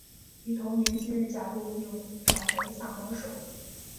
于同年继任家督并成为萨摩守。